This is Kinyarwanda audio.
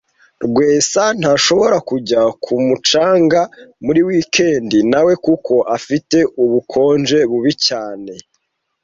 Rwesa ntashobora kujya ku mucanga muri wikendi nawe kuko afite ubukonje bubi cyane